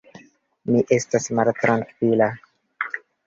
Mi estas maltrankvila.